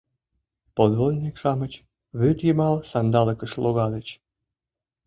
Подводник-шамыч вӱдйымал сандалыкыш логальыч.